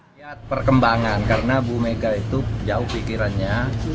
lihat perkembangan karena bu mega itu jauh pikirannya